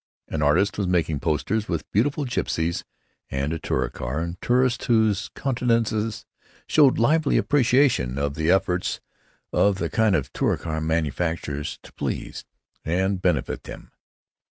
An artist was making posters with beautiful gipsies and a Touricar and tourists whose countenances showed lively appreciation of the efforts of the kind Touricar manufacturers to please and benefit them.